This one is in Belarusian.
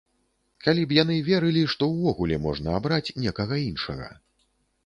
Калі б яны верылі, што ўвогуле можна абраць некага іншага.